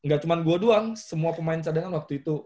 gak cuma gue doang semua pemain cadangan waktu itu